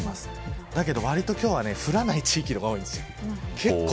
ただ、わりと今日は降らない地域の方が多いです。